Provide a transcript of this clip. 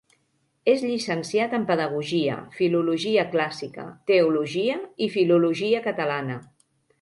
És llicenciat en pedagogia, filologia clàssica, teologia i filologia catalana.